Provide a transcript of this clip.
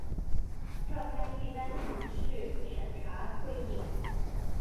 召开一般程序审查会议